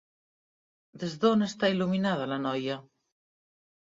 Des d'on està il·luminada la noia?